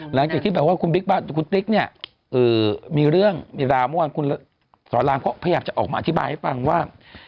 หลังจากที่แบบว่าคุณติ๊กเนี่ยมีเรื่องมีราวเมื่อวานคุณสอนรามก็พยายามจะออกมาอธิบายให้ฟังว่า